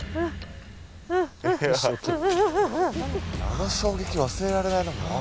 あの衝撃忘れられないな。